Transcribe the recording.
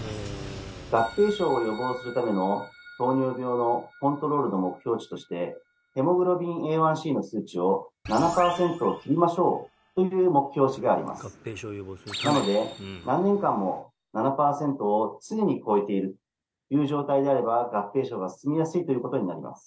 合併症を予防するための糖尿病のコントロールの目標値としてＨｂＡ１ｃの数値を７％を切りましょうという目標値がありますなので何年間も７％を常に超えているという状態であれば合併症が進みやすいということになります